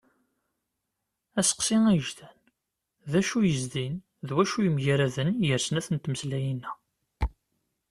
Aseqsi agejdan: D acu yezdin d wacu yemgaraden gar snat n tmeslayin-a.